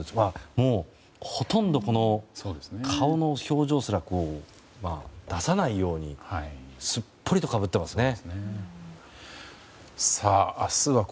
もう、ほとんど顔の表情すら出さないようにすっぽりとかぶっていますね。